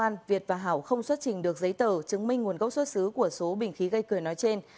văn viết việt và hảo không xuất trình được giấy tờ chứng minh nguồn gốc xuất xứ của số bình khí cười nói trên